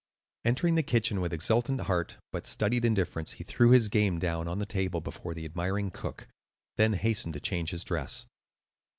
Entering the kitchen with exultant heart but studied indifference, he threw his game down on the table before the admiring cook, and then hastened to change his dress.